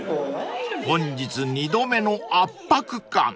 ［本日２度目の圧迫感］